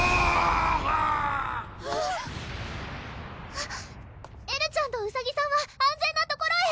えっ⁉エルちゃんとうさぎさんは安全な所へ！